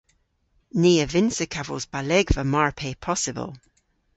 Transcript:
Ni a vynnsa kavos balegva mar pe possybyl.